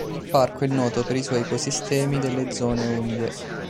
Il parco è noto per i suoi ecosistemi delle zone umide.